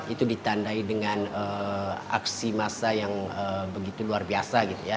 itu ditandai dengan aksi massa yang begitu luar biasa